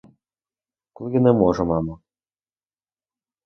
Коли я не можу, мамо.